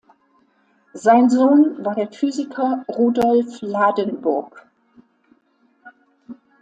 Sein Sohn war der Physiker Rudolf Ladenburg.